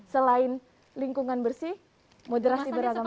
selain lingkungan bersih moderasi beragama